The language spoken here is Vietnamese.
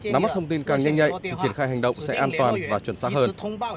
nắm mắt thông tin càng nhanh nhạy triển khai hành động sẽ an toàn và chuẩn xác hơn